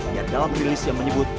yang dalam rilisnya menyebut